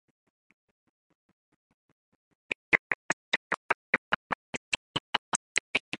Vera questioned her brother about why his team had lost the game.